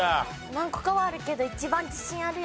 何個かはあるけど一番自信あるやつ。